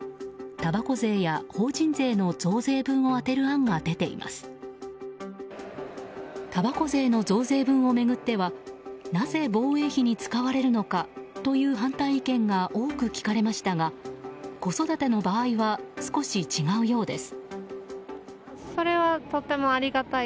たばこ税の増税分を巡ってはなぜ防衛費に使われるのかという反対意見が多く聞かれましたが子育ての場合は少し違うようです。